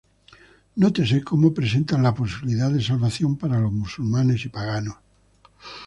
Nótese cómo presentan la posibilidad de salvación para los musulmanes y paganos.